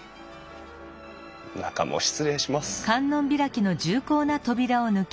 中も失礼します。